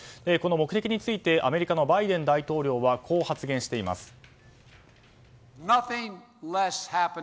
この目的についてアメリカのバイデン大統領はこう発言しています。